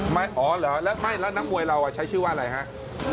อ๋อเหรอแล้วนักมวยเราใช้ชื่อว่าอะไรครับ